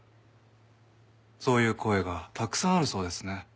そういう声がたくさんあるそうですね。